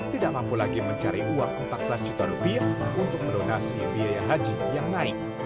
tidak mampu lagi mencari uang empat belas juta rupiah untuk melunasi biaya haji yang naik